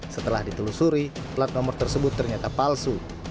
setelah ditelusuri plat nomor tersebut ternyata palsu